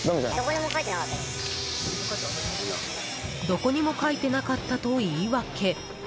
どこにも書いてなかったと言い訳。